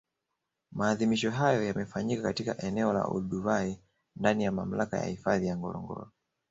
Maadhimisho hayo yamefanyika katika eneo la Olduvai ndani ya Mamlaka ya Hifadhi ya Ngorongoro